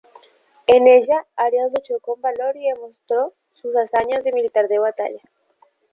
En ella Arias luchó con valor y demostró sus hazañas de militar de batalla.